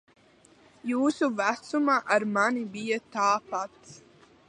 Jūsu vecumā ar mani bija tāpat.